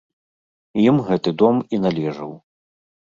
Ім гэты дом і належаў.